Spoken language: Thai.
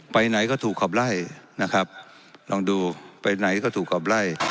ไปไหนก็ถูกขับไล่นะครับลองดูไปไหนก็ถูกขับไล่